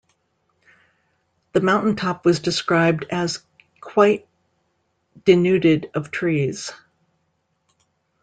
The mountain top was described as quite denuded of trees.